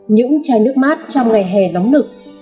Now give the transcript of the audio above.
những trái nước mát trong ngày hè nóng nực